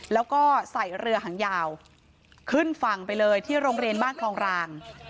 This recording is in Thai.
แล้วก็ใส่เรือหางยาวขึ้นฝั่งไปเลยที่โรงเรียนบ้านคลองราง